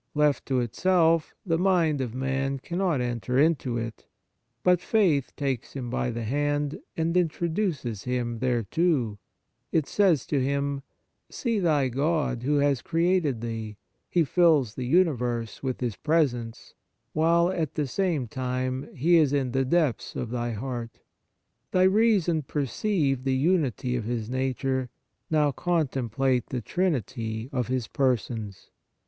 Left to itself, the mind of man cannot enter into it ; but faith takes him by the hand and introduces him thereto. It says to him :" See thy God who has created thee ; He fills the uni verse with His presence, while, at the same time, He is in the depths of thy heart. Thy reason perceived the unity of His nature ; now contemplate the Trinity of His Persons.